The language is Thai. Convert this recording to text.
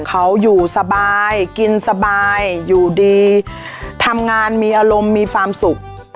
เขาอยู่สบายกินสบายอยู่ดีทำงานมีอารมณ์มีความสุข